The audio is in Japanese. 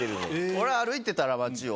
俺、歩いてたら、街を。